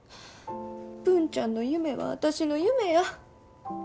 文ちゃんの夢は私の夢や。